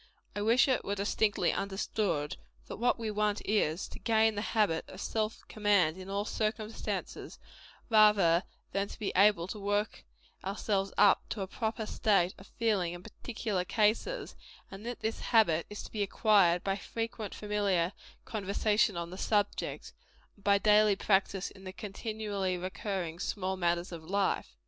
I wish it were distinctly understood, that what we want is, to gain the habit of self command in all circumstances, rather than to be able to work ourselves up to a proper state of feeling in particular cases; and that this habit is to be acquired by frequent familiar conversation on the subject, and by daily practice in the continually recurring small matters of life.